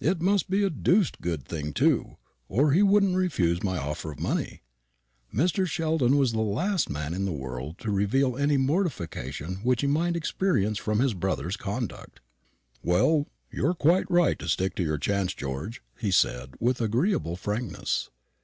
It must be a deuced good thing too, or he wouldn't refuse my offer of money." Mr. Sheldon was the last man in the world to reveal any mortification which he might experience from his brother's conduct. "Well, you're quite right to stick to your chance, George," he said, with agreeable frankness.